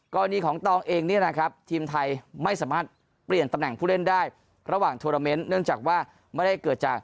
ก็วันนี้ของต้องเองเนี่ยนะครับทีมไทยไม่สามารถเปลี่ยนตำแห่งผู้เล่นได้